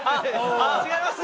違います！